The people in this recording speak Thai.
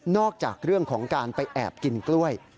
จากเรื่องของการไปแอบกินกล้วย